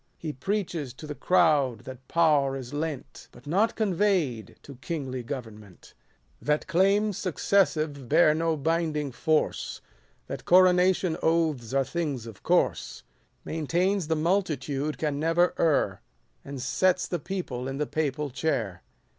He preaches to the crowd that power is lent, But not convey'd, to kingly government ; That claims successive bear no binding force, That coronation oaths are things of course ; Maintains the multitude can never err, And sets the people in the papal chair.